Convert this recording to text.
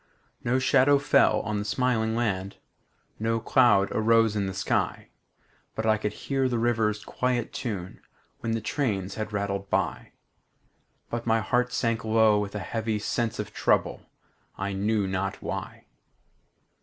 No shadow fell on the smiling land, No cloud arose in the sky; I could hear the river's quiet tune When the trains had rattled by; But my heart sank low with a heavy sense Of trouble, I knew not why.